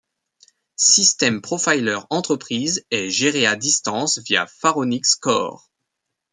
System Profiler Enterprise est géré à distance via Faronics Core.